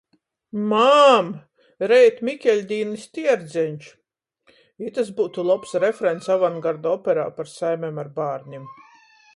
"Mam, reit Mikeļdīnys tierdzeņš!" Itys byutu lobs refrens avangarda operā par saimem ar bārnim.